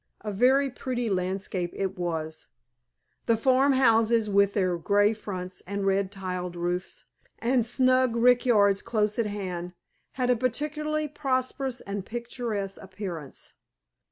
A very pretty landscape it was. The farm houses, with their grey fronts and red tiled roofs, and snug rickyards close at hand, had a particularly prosperous and picturesque appearance.